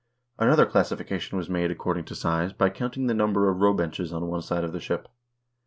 Another classification was made according to size by counting the number of row benches on one side of the ship.